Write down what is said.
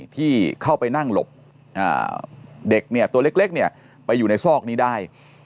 ที่เข้าไปนั่งหลบเด็กตัวเล็กไปอยู่ในซอกนี้ได้